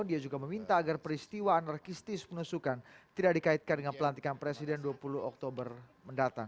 dia juga meminta agar peristiwa anarkistis penusukan tidak dikaitkan dengan pelantikan presiden dua puluh oktober mendatang